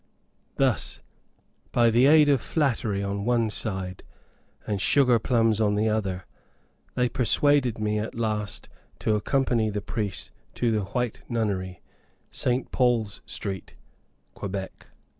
Thus, by the aid of flattery on one side, and sugarplums on the other, they persuaded me at last to accompany the priest to the White Nunnery, St. Paul's street, Quebec.